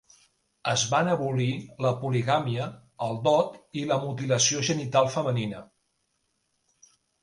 Es van abolir la poligàmia, el dot i la mutilació genital femenina.